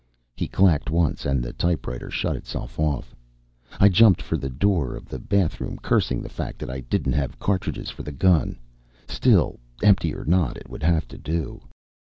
He clacked once, and the typewriter shut itself off. I jumped for the door of the bathroom, cursing the fact that I didn't have cartridges for the gun. Still, empty or not, it would have to do.